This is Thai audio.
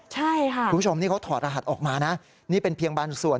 ใช่ค่ะคุณผู้ชมนี่เขาถอดรหัสออกมานะนี่เป็นเพียงบางส่วน